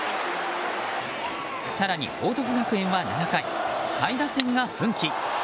更に、報徳学園は７回下位打線が奮起。